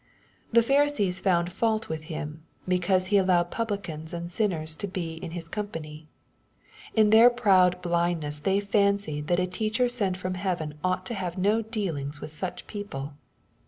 The Pharisees found fault with Him, because He al lowed publicans and sinners to be in His company. In their proud blindness they fancied, that a teacher sent from heaven ought to have no dealings with such people.